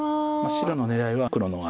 白の狙いは黒の。